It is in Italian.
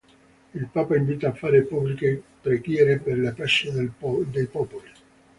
Il papa invita a fare pubbliche preghiere per la pace dei popoli.